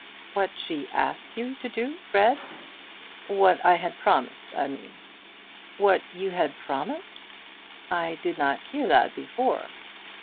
"What she asked you to do, Fred?" "What I had promised, I mean." "What you had promised? I did not hear that before."